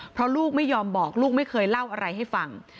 เพราะลูกไม่ยอมบอกลูกไม่เคยเล่าอะไรให้ฟัง